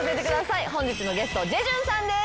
本日のゲストジェジュンさんです。